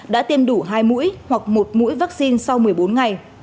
đã tiêm đủ hai mũi hoặc một mũi vaccine sau một mươi bốn ngày